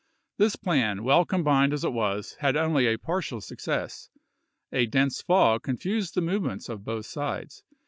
This plan, well combined as it was, had only a partial success. A dense fog con fused the movements of both sides.